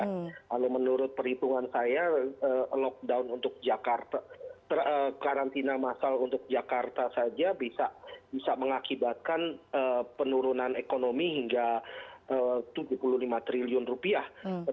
kalau menurut perhitungan saya lockdown untuk jakarta karantina masal untuk jakarta saja bisa mengakibatkan penurunan ekonomi hingga tujuh puluh lima triliun rupiah